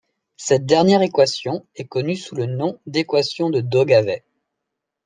Cette dernière équation est connue sous le nom de équation de Daugavet.